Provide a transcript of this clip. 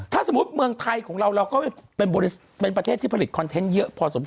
ถ้าสมมุติเมืองไทยของเราเราก็เป็นประเทศที่ผลิตคอนเทนต์เยอะพอสมค